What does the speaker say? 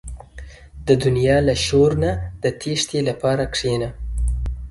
• د دنیا له شور نه د تیښتې لپاره کښېنه.